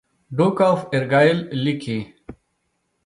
ډوک آف ارګایل لیکي.